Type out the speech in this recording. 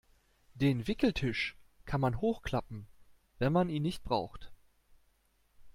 Den Wickeltisch kann man hochklappen, wenn man ihn nicht braucht.